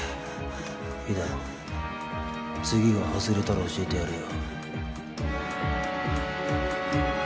いいだろう次が外れたら教えてやるよ。